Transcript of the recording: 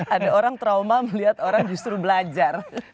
ada orang trauma melihat orang justru belajar